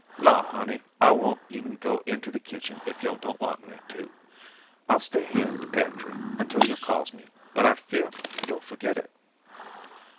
"Law, honey, I won't even go into the kitchen if yo' don't want me to. I'll stay here in de pantry until yo' calls me, but I fear you'll forget it."